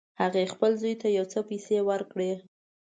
هغې خپل زوی ته یو څه پیسې ورکړې